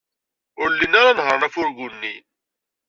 Ur llin ara nehhṛen afurgu-nni.